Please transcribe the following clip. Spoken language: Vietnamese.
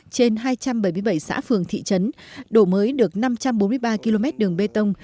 trên hai trăm bảy mươi bảy xã phường thị trấn đổ mới được năm trăm bốn mươi ba km đường bê tông